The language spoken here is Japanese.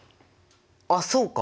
あっそうか！